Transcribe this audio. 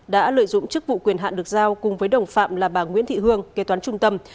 đã lợi dụng chức vụ quyền hạn được giao cùng với đồng phạm là bà nguyễn thị hương kế toán trung tâm